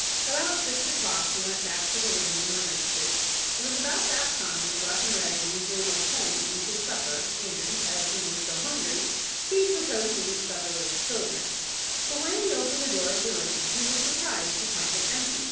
About six o'clock he went back to the room in Leonard Street. It was about that time that Rough and Ready usually went home to eat his supper, and, as he was still hungry, he proposed to eat supper with the children. But when he opened the door of the room, he was surprised to find it empty.